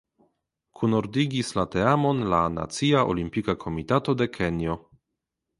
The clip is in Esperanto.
Kunordigis la teamon la "Nacia Olimpika Komitato de Kenjo".